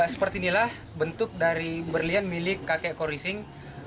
seperti inilah bentuk dari berlian milik kakek korising